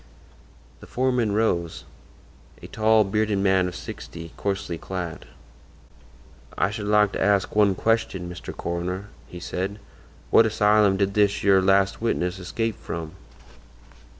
The foreman rose—a tall, bearded man of sixty, coarsely clad. "I should like to ask one question, Mr. Coroner," he said. "What asylum did this yer last witness escape from?"